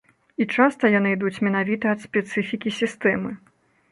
І часта яны ідуць менавіта ад спецыфікі сістэмы.